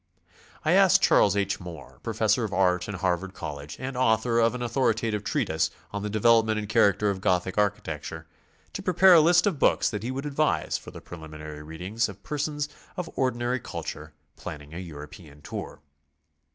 I asked Charles H. Moore, Professor of Art in Harvard College and author of an authoritative treatise on the De velopment and Character of Gothic Architecture, to prepare a list of books that he would advise for the preliminary read ing of persons of ordinary culture planning a European tour.